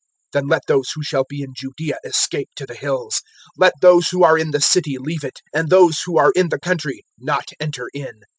021:021 Then let those who shall be in Judaea escape to the hills; let those who are in the city leave it, and those who are in the country not enter in.